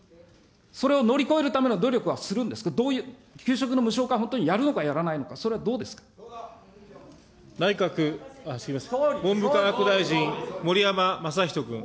それを乗り越えるための努力はするんですか、給食の無償化、本当にやるのかやらないのか、それは内閣、すみません、文部科学大臣、盛山正仁君。